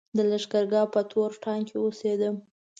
د لښکرګاه په تور ټانګ کې اوسېدم.